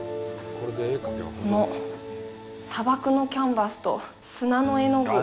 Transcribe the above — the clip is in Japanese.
この砂漠のキャンバスと砂の絵の具。